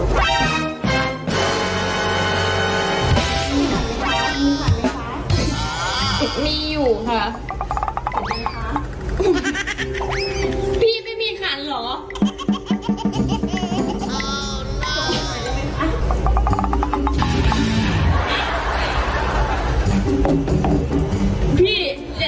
พี่เดี๋ยวเล่าคืนด้วยนะ